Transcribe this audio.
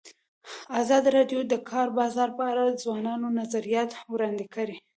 ازادي راډیو د د کار بازار په اړه د ځوانانو نظریات وړاندې کړي.